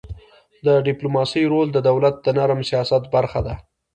د ډيپلوماسی رول د دولت د نرم سیاست برخه ده.